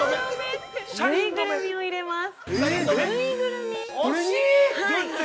◆ぬいぐるみを入れます。